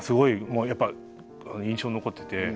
もうやっぱ印象に残ってて。